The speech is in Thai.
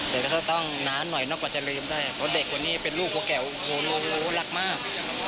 แต่ก็ต้องนานหน่อยนะกว่าจะลืมได้เพราะเด็กคนนี้เป็นลูกหัวแก่โอ้โหรักมาก